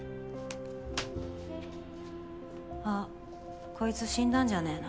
あっこいつ死んだんじゃねぇの。